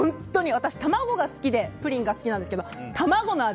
私、卵が好きでプリンが好きなんですけど卵の味